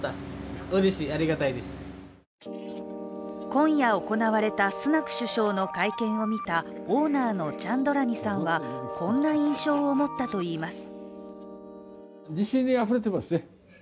今夜、行われたスナク首相の会見を見たオーナーのチャンドラニさんはこんな印象を持ったといいます。